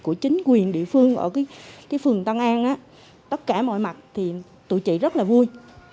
của chính quyền địa phương ở phường tân an tất cả mọi mặt thì tụi chị rất là vui